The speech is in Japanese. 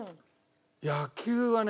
野球はね